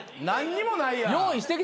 何にもないやん。